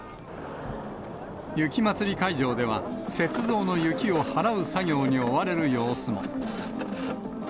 雪まつり会場では、雪像の雪を払う作業に追われる様子も。